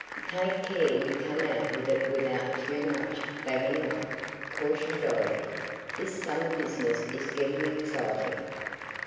"Take care you come out of it without too much 'banging' up," cautioned Dorothy. "This summer business is getting exciting."